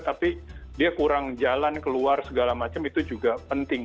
tapi dia kurang jalan keluar segala macam itu juga penting